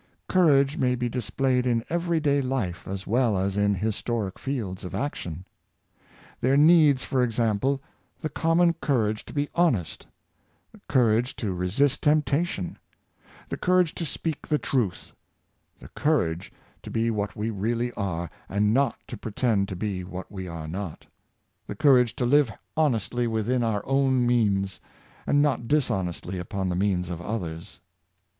Courage may be displayed in every day life as well as in historic fields of action. There needs, for example, the common courage to be honest — the courage to resist temptation — the courage to speak the truth — the courage to be what we really are, and not to pretend to be what we are not — the courage to live honestly within our own means, and not dishonestly upon the means of others.